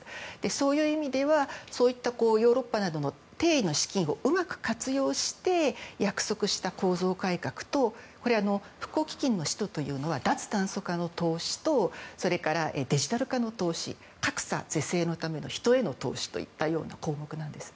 そういう意味では、そういったヨーロッパなどの資金をうまく活用して約束した構造改革と復興基金の使途というのは脱炭素化の投資とそれから、デジタル化の投資格差是正のための人への投資といったような項目なんです。